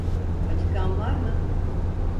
Acıkan var mı?